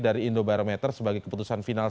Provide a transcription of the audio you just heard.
dari indobarometer sebagai keputusan final